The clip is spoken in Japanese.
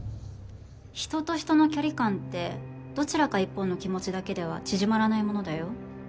人と人の距離感ってどちらか一方の気持ちだけでは縮まらないものだよ。